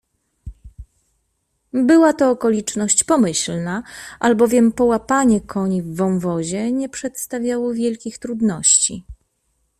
Była to okoliczność pomyślna, albowiem połapanie koni w wąwozie nie przedstawiało wielkich trudności.